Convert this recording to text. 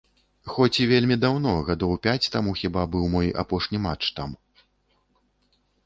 Хоць і вельмі даўно, гадоў пяць таму, хіба, быў мой апошні матч там.